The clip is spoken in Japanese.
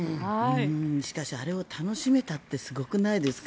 あれを楽しめたってすごくないですか。